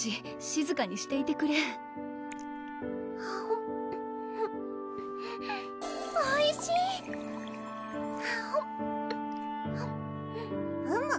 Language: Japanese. しずかにしていてくれおいしいふむ